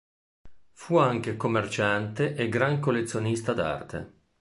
Fu anche commerciante e gran collezionista d'arte.